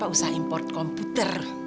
usaha import komputer